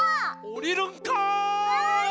おりるんかい！